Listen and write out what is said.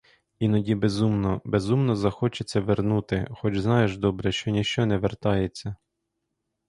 Іноді безумно, безумно захочеться вернути, хоч знаєш добре, що ніщо не вертається.